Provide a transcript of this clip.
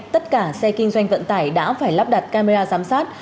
tất cả xe kinh doanh vận tải đã phải lắp đặt camera giám sát